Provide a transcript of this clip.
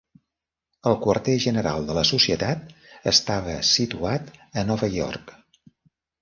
El quarter general de la Societat estava situat a Nova York.